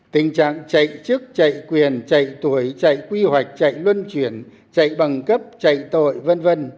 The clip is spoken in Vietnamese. tình trạng chạy chức chạy quyền chạy tuổi chạy quy hoạch chạy luân chuyển chạy bằng cấp chạy tội v v